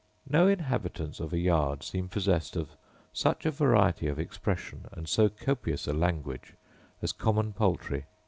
No inhabitants of a yard seem possessed of such a variety of expression and so copious a language as common poultry.